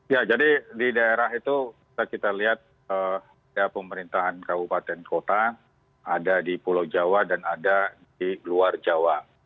ya jadi di daerah itu kita lihat pemerintahan kabupaten kota ada di pulau jawa dan ada di luar jawa